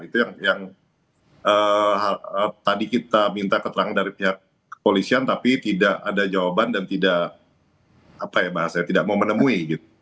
itu yang tadi kita minta keterangan dari pihak kepolisian tapi tidak ada jawaban dan tidak mau menemui